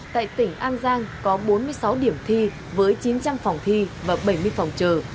tại tỉnh an giang có bốn mươi sáu điểm thi với chín trăm linh phòng thi và bảy mươi phòng chờ